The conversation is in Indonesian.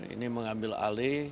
ini mengambil alih